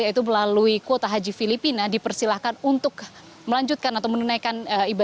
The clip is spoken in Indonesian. yaitu melalui kuota haji filipina dipersilahkan untuk melanjutkan atau menunaikan ibadah